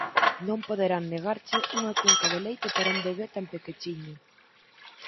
Non poderán negarche unha cunca de leite para un bebé tan pequechiño.